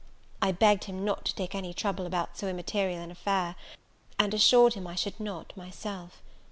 I begged him not to take any trouble about so immaterial an affair, and assured him I should not myself.